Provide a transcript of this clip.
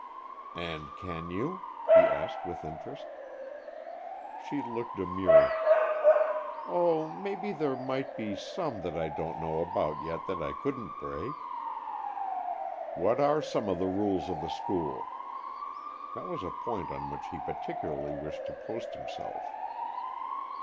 "And can you?" he asked, with interest. She looked demure. "Oh, maybe there might be some that I don't know about yet that I couldn't break." "What are some of the rules of the school?" That was a point on which he particularly wished to post himself.